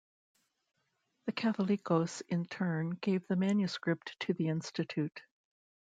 The Catholicos in turn gave the manuscript to the institute.